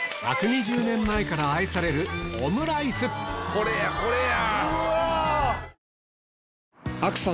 これやこれや！